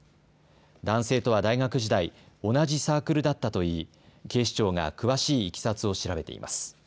男性とは大学時代、同じサークルだったといい警視庁が詳しいいきさつを調べています。